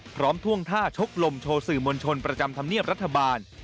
ท่วงท่าชกลมโชว์สื่อมวลชนประจำธรรมเนียบรัฐบาล